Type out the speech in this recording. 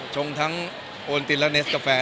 ชงทั้งโอนตินและเนสกาแฟ